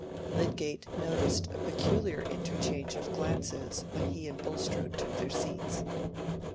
Lydgate noticed a peculiar interchange of glances when he and Bulstrode took their seats.